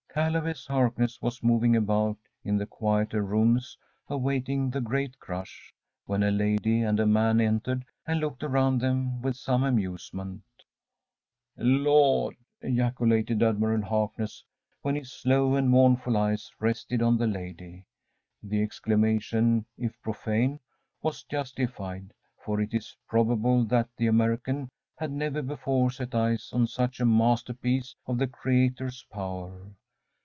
Caleb S. Harkness was moving about in the quieter rooms, awaiting the great crush, when a lady and a man entered and looked around them with some amusement. ‚ÄúLord!‚ÄĚ ejaculated Admiral Harkness, when his slow and mournful eyes rested on the lady. The exclamation, if profane, was justified, for it is probable that the American had never before set eyes on such a masterpiece of the Creator's power.